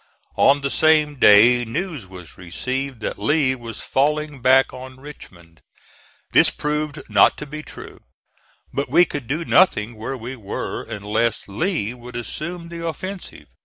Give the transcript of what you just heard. On the same day news was received that Lee was falling back on Richmond. This proved not to be true. But we could do nothing where we were unless Lee would assume the offensive.